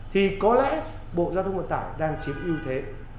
thì có lẽ bộ giao thông ngoại tảo đang chiếm ưu thế